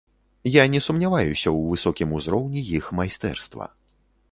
Я не сумняваюся ў высокім узроўні іх майстэрства.